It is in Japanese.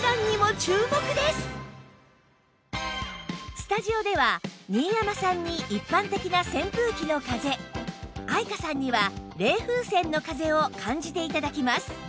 スタジオでは新山さんに一般的な扇風機の風愛華さんには冷風扇の風を感じて頂きます